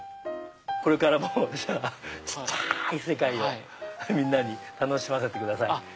これからも小っちゃい世界をみんなに楽しませてください。